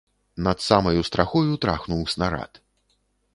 Над самаю страхою трахнуў снарад.